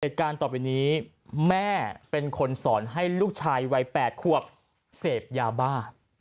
เหตุการณ์ต่อไปนี้แม่เป็นคนสอนให้ลูกชายวัย๘ควบเสพยาบ้า